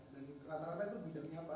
jadi rata rata itu bidangnya apa